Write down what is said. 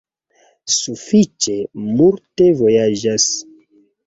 Sufiĉe multe vojaĝas.